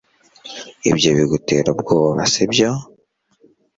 ibyo bigutera ubwoba, sibyo